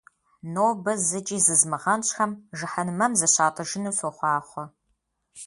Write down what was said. Нобэ зыкӀи зызмыгъэнщӀхэм жыхьэнмэм зыщатӀыжыну сохъуахъуэ!